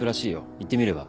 行ってみれば？